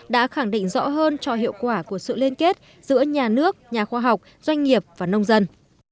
đã khẳng định rõ hơn cho hiệu quả của sự liên kết giữa nhà nước nhà khoa học doanh nghiệp và nông dân